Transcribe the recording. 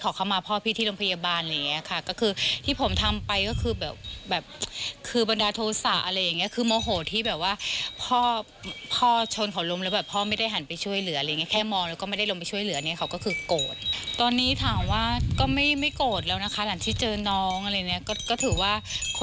ก็ถือว่าคนเรามันก็มีอารมณ์ชัวร์วุบได้เท่านั้นอะไรอย่างนี้ค่ะ